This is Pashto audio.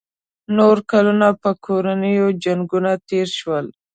نور کلونه په کورنیو جنګونو تېر شول.